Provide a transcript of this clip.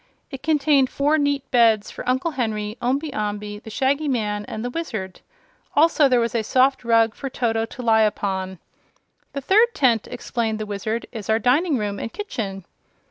It contained four neat beds for Uncle Henry, Omby Amby, the Shaggy Man and the Wizard. Also there was a soft rug for Toto to lie upon. "The third tent," explained the Wizard, "is our dining room and kitchen."